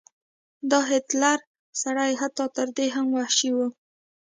دا هټلر سړی حتی تر دې هم وحشي و.